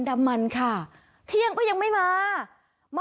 ด้วยด้วยด้วยด้วย